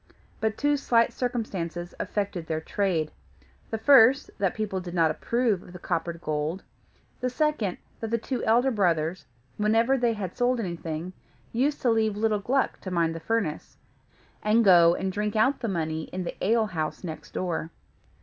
But two slight circumstances affected their trade: the first, that people did not approve of the coppered gold; the second, that the two elder brothers, whenever they had sold anything, used to leave little Gluck to mind the furnace, and go and drink out the money in the ale house next door.